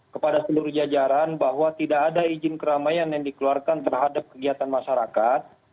kepada seluruh jajaran bahwa tidak ada izin keramaian yang dikeluarkan terhadap kegiatan masyarakat